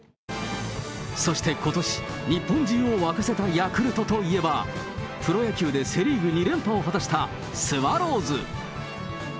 そしてことし、日本中を沸かせたヤクルトといえば、プロ野球でセ・リーグ２連覇を果たしたスワローズ。